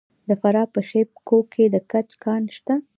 د فراه په شیب کوه کې د ګچ کان شته.